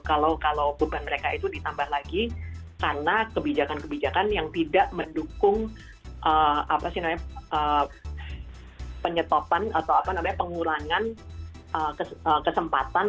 kalau kebutuhan mereka itu ditambah lagi karena kebijakan kebijakan yang tidak mendukung penyetopan atau pengulangan kesempatan